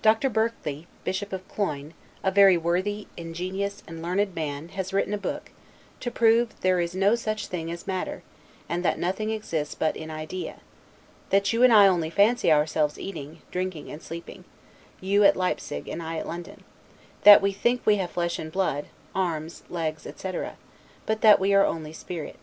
Doctor Berkeley, Bishop of Cloyne, a very worthy, ingenious, and learned man, has written a book, to prove that there is no such thing as matter, and that nothing exists but in idea: that you and I only fancy ourselves eating, drinking, and sleeping; you at Leipsig, and I at London: that we think we have flesh and blood, legs, arms, etc., but that we are only spirit.